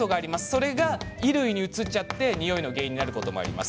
それが衣類に移ってしまってニオイの原因になることもあります。